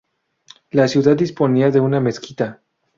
La ciudad disponía de una mezquita.